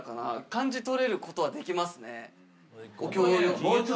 感じ取れることはできますね。